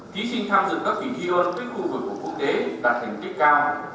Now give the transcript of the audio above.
ký sinh tham dự các kỳ thiên hôn với khu vực của quốc tế đạt thành tích cao